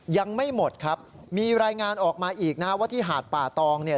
ยังไม่หมดครับมีรายงานออกมาอีกนะฮะว่าที่หาดป่าตองเนี่ย